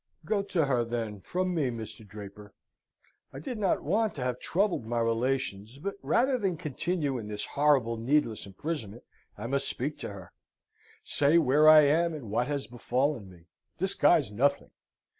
"Go to her, then, from me, Mr. Draper. I did not want to have troubled my relations: but rather than continue in this horrible needless imprisonment, I must speak to her. Say where I am, and what has befallen me. Disguise nothing!